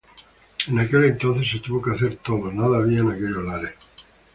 En aquel entonces se tuvo que hacer todo, nada había en aquellos lares.